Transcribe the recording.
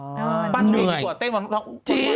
ปั้นดาราดีกว่าเต้นวันน้องลิชชี่